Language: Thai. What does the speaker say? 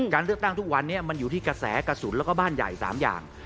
การเลือกตั้งทุกวันนี้มันอยู่ที่กระแสกระสุนแล้วก็บ้านใหญ่๓อย่าง